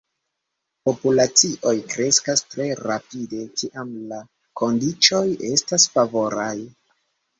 Populacioj kreskas tre rapide kiam la kondiĉoj estas favoraj.